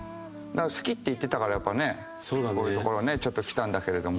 「好きって言ってたからやっぱねこういう所ねちょっと来たんだけれども」。